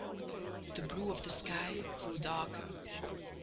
The blue of the sky grew darker.